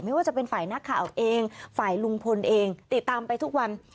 ไม่ว่าจะเป็นฝ่ายนักข่าวเองฝ่ายลุงพลเองติดตามไปทุกวัน